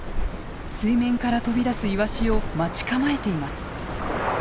水面から飛び出すイワシを待ち構えています。